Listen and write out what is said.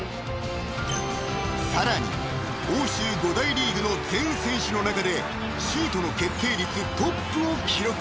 ［さらに欧州５大リーグの全選手の中でシュートの決定率トップを記録］